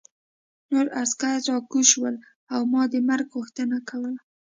نور عسکر راکوز شول او ما د مرګ غوښتنه کوله